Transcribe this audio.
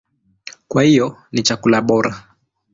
Kwa hiyo ni chakula bora.